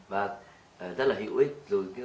và rất là hữu ích